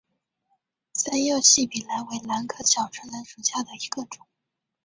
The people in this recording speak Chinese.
三药细笔兰为兰科小唇兰属下的一个种。